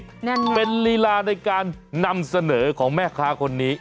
นั่นไงเป็นลีลาในการนำเสนอของแม่ค้าคนนี้